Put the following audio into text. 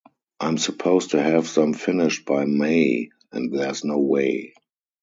I'm supposed to have them finished by May and there's no way.